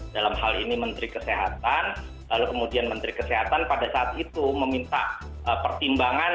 dalam hal ini menteri kesehatan lalu kemudian menteri kesehatan pada saat itu meminta pertimbangan